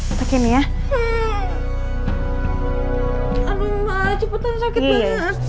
aduh ma cepetan sakit banget